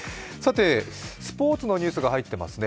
スポーツのニュースが入っていますね